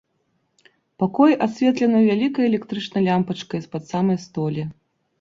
Пакой асветлены вялікай электрычнай лямпачкай з-пад самай столі.